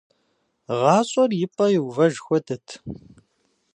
ГъащӀэр и пӀэ иувэж хуэдэт…